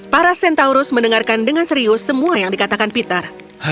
para centaurus mendengarkan dengan serius semua yang dikatakan peter